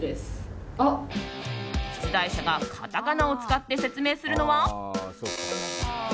出題者がカタカナを使って説明するのは。